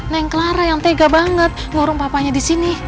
neng clara yang tega banget ngurung papanya disini